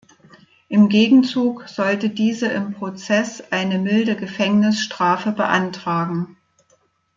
Im Gegenzug sollte diese im Prozess eine milde Gefängnisstrafe beantragen.